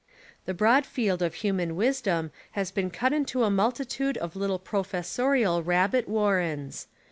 The broad field of human wisdom has been cut Into a multitude of little professorial rabbit warrens.